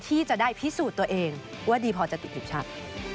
ที่จะได้พิสูจน์ตัวเองว่าดีพอจะติดทีมชาติ